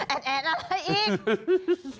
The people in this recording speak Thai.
แอดแอดอะไรอีก